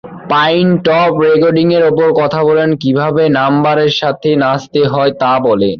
Pine top রেকর্ডিংয়ের উপর কথা বলেন, কিভাবে নাম্বারের সাথে নাচতে হয় তা বলেন।